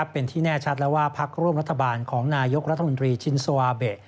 เป็นที่แน่ชัดแล้วว่าพักร่วมรัฐบาลของนายกรัฐมนตรีชินสวาเบะ